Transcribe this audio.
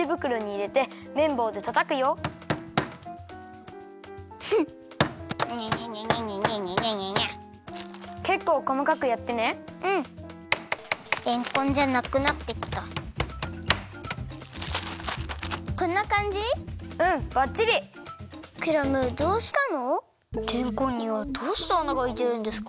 れんこんにはどうしてあながあいてるんですか？